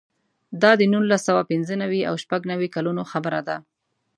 دا د نولس سوه پنځه نوي او شپږ نوي کلونو خبره ده.